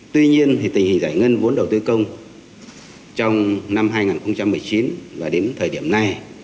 tuy nhiên tình hình giải ngân vốn đầu tư công trong năm hai nghìn một mươi chín và đến thời điểm này